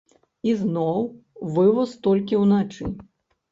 Ізноў, вываз толькі ўначы.